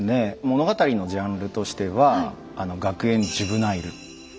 物語のジャンルとしては学園ジュブナイル。